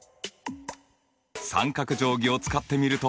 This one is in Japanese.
三角定規を使ってみると。